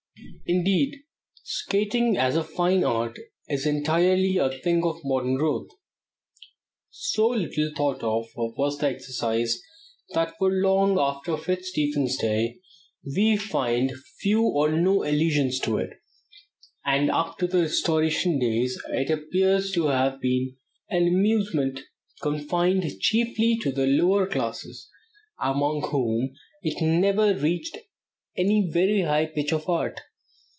Indeed, skating as a fine art is entirely a thing of modern growth. So little thought of was the exercise, that for long after Fitzstephen's day we find few or no allusions to it, and up to the Restoration days it appears to have been an amusement confined chiefly to the lower classes, among whom it never reached any very high pitch of art.